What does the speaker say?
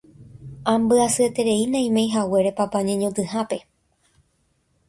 ambyasyeterei naimeihaguére papa ñeñotỹhápe